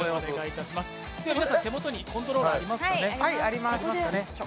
手元にコントローラーありますかね。